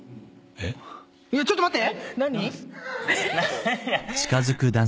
えちょっと待って。